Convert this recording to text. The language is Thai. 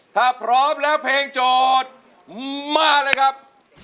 ถ้าพร้อมแล้วเพลงโจทย์มาเลยครับ